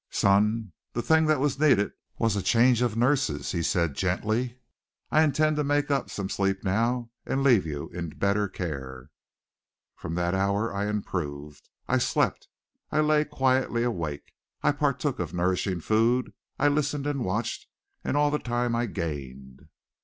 "Son, the thing that was needed was a change of nurses," he said gently. "I intend to make up some sleep now and leave you in better care." From that hour I improved. I slept, I lay quietly awake, I partook of nourishing food. I listened and watched, and all the time I gained.